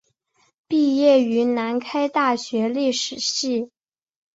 毕业于南开大学历史系。